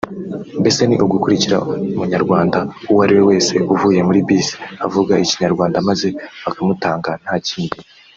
“Mbese ni ugukurikira munyarwanda uwariwe wese uvuye muri bisi uvuga ikinyarwanda maze bakamutanga nta cyindi